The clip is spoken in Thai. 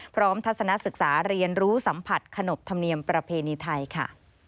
ทัศนศึกษาเรียนรู้สัมผัสขนบธรรมเนียมประเพณีไทยค่ะ